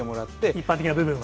一般的な部分は。